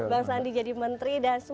bang sandi jadi menteri dan sukses